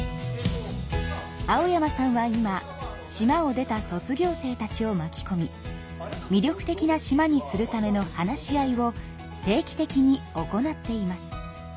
青山さんは今島を出た卒業生たちをまきこみ魅力的な島にするための話し合いを定期的に行っています。